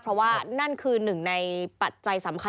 เพราะว่านั่นคือหนึ่งในปัจจัยสำคัญ